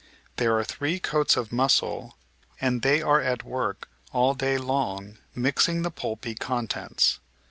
There are three coats of muscle, and they are at work all day long mixing the pulpy contents.